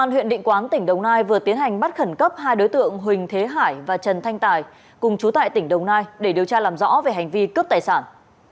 công an huyện định quán tỉnh đồng nai vừa tiến hành bắt khẩn cấp hai đối tượng huỳnh thế hải và trần thanh tài cùng chú tại tỉnh đồng nai để điều tra làm rõ về hành vi cướp tài sản